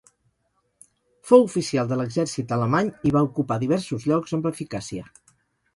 Fou oficial de l'exèrcit alemany i va ocupar diversos llocs amb eficàcia.